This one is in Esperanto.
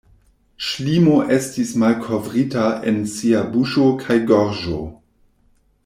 Ŝlimo estis malkovrita en sia buŝo kaj gorĝo.